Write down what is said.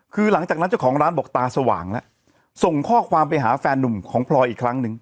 คือหลังจากนั้นเจ้าของร้านบอกตาสว่างแล้วส่งข้อความไปหาแฟนนุ่มของพลอยอีกครั้งหนึ่ง